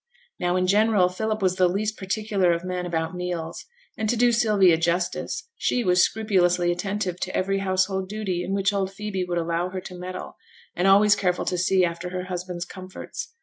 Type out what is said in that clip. Now in general Philip was the least particular of men about meals; and to do Sylvia justice, she was scrupulously attentive to every household duty in which old Phoebe would allow her to meddle, and always careful to see after her husband's comforts.